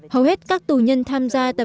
hầu hết các tù nhân đã được dạy yoga từ xa